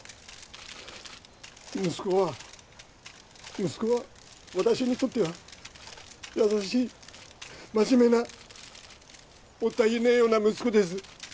息子は息子は私にとっては優しい真面目なもったいねえような息子です